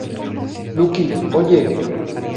Lucky Oye!